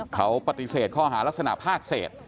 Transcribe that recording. เขาปฏิเสธข้อหารักษณภาคเศษ